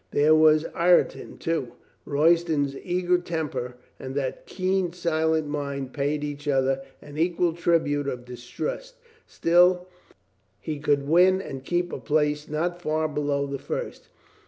There was Ireton, too. Royston's eager temper and that keen, silent mind paid each other an equal tribute of distrust. Still, he could win and keep a place not far below the first.